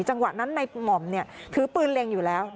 จังหวะนั้นในหม่อมถือปืนเล็งอยู่แล้ว